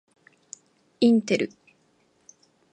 インテル